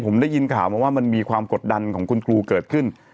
ผมได้ยินข่าวมาว่ามันมีความกดดันของคุณครูเกิดขึ้น